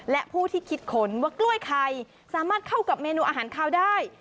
และผู้ที่คิดขนว่ากล้วยไข่สามารถเข้ากับเมนูอาหารคาวได้